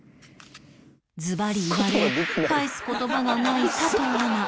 ズバリ言われ返す言葉がない佐藤アナ